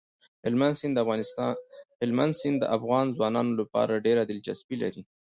هلمند سیند د افغان ځوانانو لپاره ډېره دلچسپي لري.